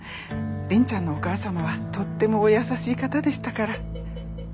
凛ちゃんのお母様はとってもお優しい方でしたから。